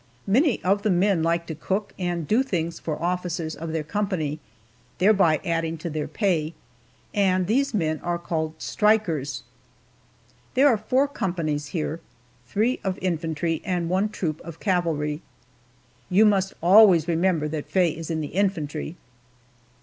Many of the men like to cook, and do things for officers of their company, thereby adding to their pay, and these men are called strikers. There are four companies here three of infantry and one troop of cavalry. You must always remember that Faye is in the infantry.